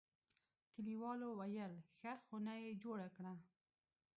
کلیوالو ویل: ښه خونه یې جوړه کړه.